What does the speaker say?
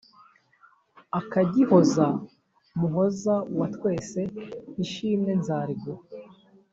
ukagihoza muhoza watwese ishimwe nzariguha!